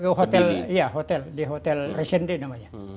iya hotel di hotel reshendi namanya